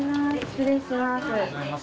失礼します。